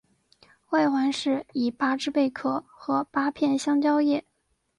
外环饰以八只贝壳和八片香蕉叶。